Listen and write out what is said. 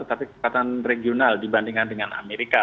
tapi kekuatan regional dibandingkan dengan amerika